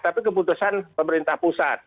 tapi keputusan pemerintah pusat